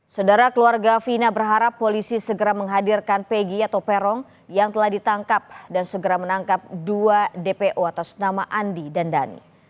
saudara keluarga fina berharap polisi segera menghadirkan pegi atau perom yang telah ditangkap dan segera menangkap dua dpo atas nama andi dan dhani